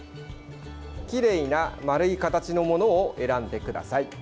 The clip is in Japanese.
きれいな丸い形のものを選んでください。